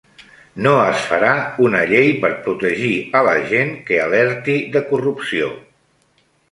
No es farà una llei per protegir a la gent que alerti de corrupció